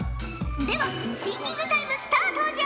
ではシンキングタイムスタートじゃ！